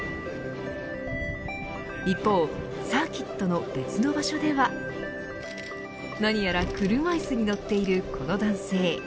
一方、サーキットの別の場所では何やら車椅子に乗っているこの男性。